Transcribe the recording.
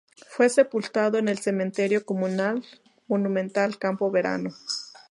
Fue sepultado en el Cementerio comunal monumental Campo Verano.